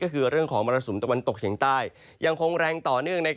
ก็คือเรื่องของมรสุมตะวันตกเฉียงใต้ยังคงแรงต่อเนื่อง